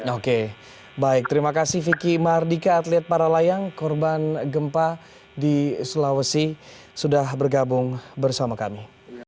oke baik terima kasih vicky mardika atlet para layang korban gempa di sulawesi sudah bergabung bersama kami